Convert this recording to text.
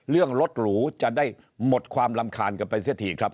เรื่องรถหรูจะได้หมดความรำคาญกันไปเสียทีครับ